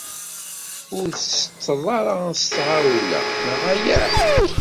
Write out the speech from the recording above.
Ur ttetteḍ ara s tɣawla, neɣ ala?